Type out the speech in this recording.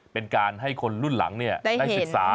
เป็นการให้คนรุ่นหลังได้ศึกษา